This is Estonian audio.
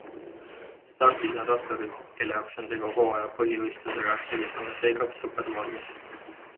Stardis on ratturid, kelle jaoks on tegu hooaja põhivõistlusega ja kes on seega supervormis.